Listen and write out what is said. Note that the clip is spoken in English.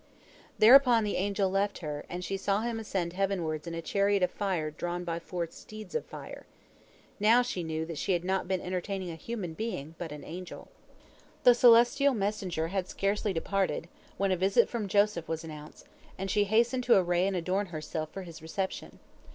Thereupon the angel left her, and she saw him ascend heavenward in a chariot of fire drawn by four steeds of fire. Now she knew that she had not been entertaining a human being, but an angel. The celestial messenger had scarcely departed, when a visit from Joseph was announced, and she hastened to array and adorn herself for his reception.